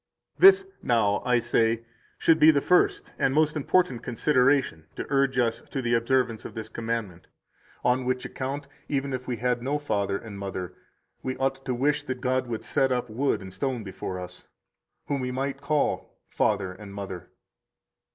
125 This, now, I say should be the first and most important consideration to urge us to the observance of this commandment; on which account, even if we had no father and mother, we ought to wish that God would set up wood and stone before us, whom we might call father and mother.